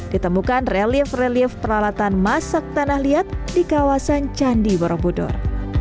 ditemukan relief relief peralatan masak tanah liat di kawasan candi borobudur